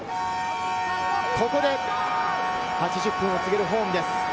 ここで８０分過ぎるホーンです。